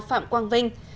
phạm quang vinh